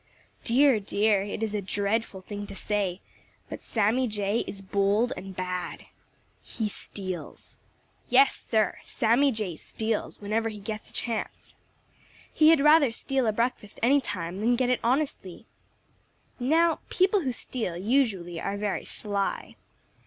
Dear, dear, it is a dreadful thing to say, but Sammy Jay is bold and bad. He steals! Yes, Sir, Sammy Jay steals whenever he gets a chance. He had rather steal a breakfast any time than get it honestly. Now people who steal usually are very sly.